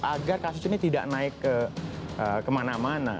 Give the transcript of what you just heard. agar kasus ini tidak naik kemana mana